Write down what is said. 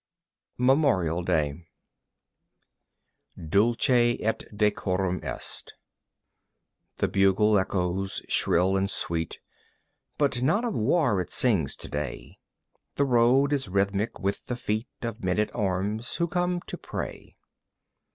Memorial Day "Dulce et decorum est" The bugle echoes shrill and sweet, But not of war it sings to day. The road is rhythmic with the feet Of men at arms who come to pray.